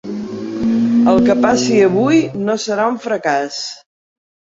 El que passi avui no serà un fracàs.